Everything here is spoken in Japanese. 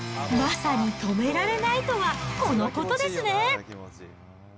まさに止められないとはこのことですね。